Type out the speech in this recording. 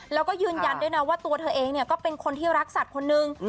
แล้วก็ยืนยันด้วยนะว่าตัวเธอเองก็เป็นคนที่รักสัตว์คนนึง